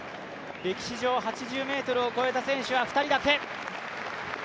歴史上８０ｍを越えた選手は２人だけ。